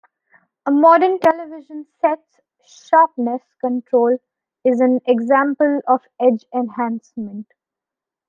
A modern television set's "sharpness" control is an example of edge enhancement.